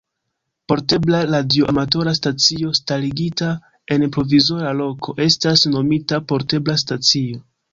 Portebla radioamatora stacio starigita en provizora loko estas nomita portebla stacio.